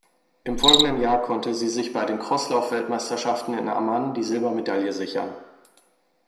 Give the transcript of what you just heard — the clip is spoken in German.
Im folgenden Jahr konnte sie sich bei den Crosslauf-Weltmeisterschaften in Amman die Silbermedaille sichern.